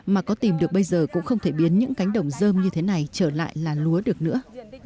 mà có tìm được bây giờ cũng không thể biến những cánh đồng dơm như thế này trở lại là lúa được nữa